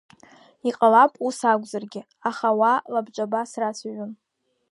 Иҟалап ус акәзаргьы, аха ауаа лабҿаба срацәажәон.